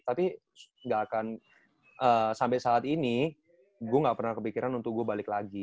tapi gak akan sampai saat ini gue gak pernah kepikiran untuk gue balik lagi